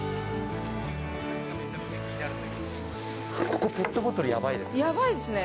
ここ、ペットボトルやばいでやばいっすね。